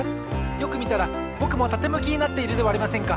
よくみたらぼくもたてむきになっているではありませんか！